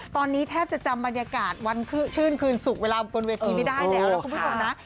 ตอนนี้แทบจะจำบรรยากาศวันชื่นคืนสุขเวลาบนเวทีไม่ได้แล้วนะคุณผู้ชมนะ